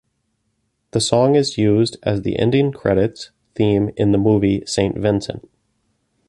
The song is used as the ending credits theme in the movie "Saint Vincent".